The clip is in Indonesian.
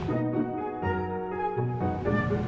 nanti mbak bakal bantu